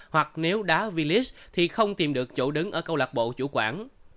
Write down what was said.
hoặc nếu đá villace thì không tìm được chỗ đứng ở câu lạc bộ chủ quản